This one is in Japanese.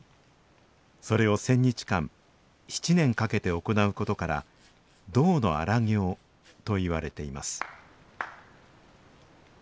それを１０００日間７年かけて行うことから「動の荒行」といわれています